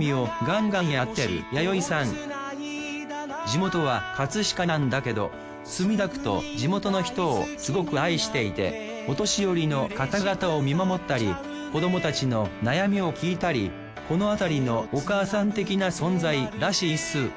地元は飾なんだけど墨田区と地元の人をすごく愛していてお年寄りの方々を見守ったり子どもたちの悩みを聞いたりこの辺りのお母さん的な存在らしいっす。